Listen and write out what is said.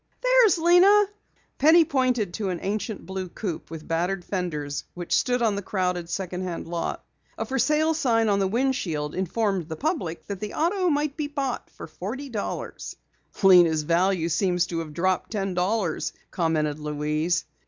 "There's Lena." Penny pointed to an ancient blue coupe with battered fenders which stood on the crowded second hand lot. A For Sale sign on the windshield informed the public that the auto might be bought for forty dollars. "Lena's value seems to have dropped ten dollars," commented Louise.